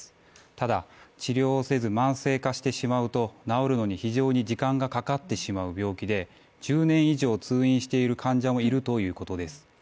ただ治療をせず慢性化してしまうと治るのに非常に時間がかかってしまう病気で、１０年以上通院している患者もいるということです。